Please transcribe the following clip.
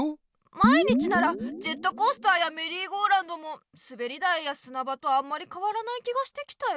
毎日ならジェットコースターやメリーゴーラウンドもすべり台やすな場とあんまりかわらない気がしてきたよ。